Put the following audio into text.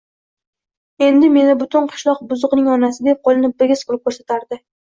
Endi meni butun qishloq buzuqning onasi, deb qo`lini bigiz qilib ko`rsatardi